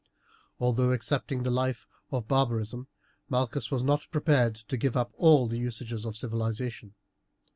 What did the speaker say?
Although accepting the life of barbarism Malchus was not prepared to give up all the usages of civilization.